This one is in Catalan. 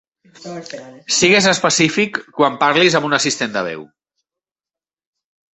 Sigues específic quan parlis amb un assistent de veu.